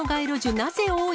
なぜ多い？